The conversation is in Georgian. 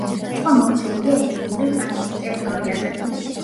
ტბა მოქცეულია ეროვნული პარკის ტერიტორიაზე.